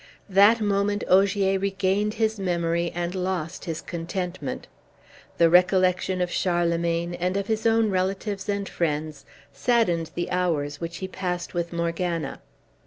That moment Ogier regained his memory, and lost his contentment. The recollection of Charlemagne, and of his own relatives and friends, saddened the hours which he passed with Morgana.